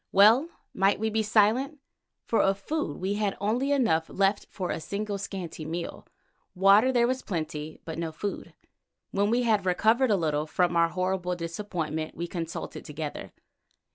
Well might we be silent, for of food we had only enough left for a single scanty meal. Water there was in plenty, but no food. When we had recovered a little from our horrible disappointment we consulted together.